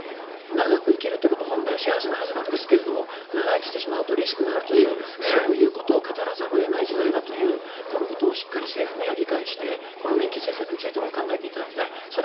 長生きすることは本来は幸せなはずなんですが長生きしてしまうとリスクがあるというそういうことを語らざるを得ないという時代だというこのことを政府には理解して年金政策についても考えてもらいたい。